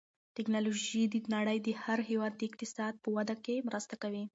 تکنالوژي د نړۍ د هر هېواد د اقتصاد په وده کې مرسته کوي.